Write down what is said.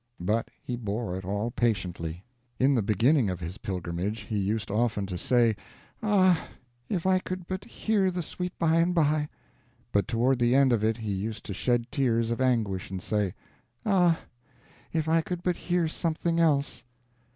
But he bore it all patiently. In the beginning of his pilgrimage he used often to say, "Ah, if I could but hear the 'Sweet By and by'!" But toward the end of it he used to shed tears of anguish and say, "Ah, if I could but hear something else!"